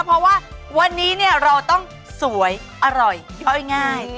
เพราะว่าวันนี้เราต้องสวยอร่อยย่อยง่าย